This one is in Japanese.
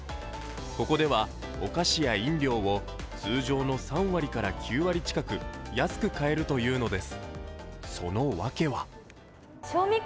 ここではお菓子や飲料を通常の３割から９割近く安く買えるというのです。